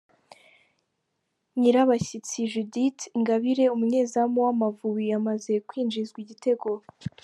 Nyirabashyitsi Judith Ingabire umunyezamu w’Amavubi amaze kwinjizwa igitego